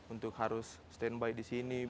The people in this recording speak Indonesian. untuk harus stand by di sini